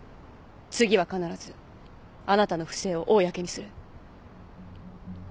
次は必ずあなたの不正を公にする。